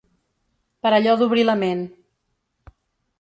Per allò d’obrir la ment.